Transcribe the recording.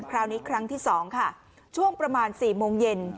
ครั้งนี้ครั้งที่๒ค่ะช่วงประมาณ๔โมงเย็น